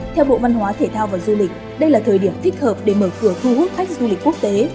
theo bộ văn hóa thể thao và du lịch đây là thời điểm thích hợp để mở cửa thu hút khách du lịch quốc tế